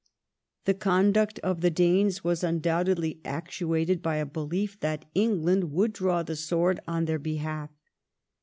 The conduct of the Danes was undoubtedly actuated by a belief that England would draw the sword on their behalf.